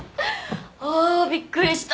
あびっくりした。